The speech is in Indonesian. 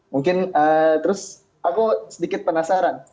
mungkin terus aku sedikit penasaran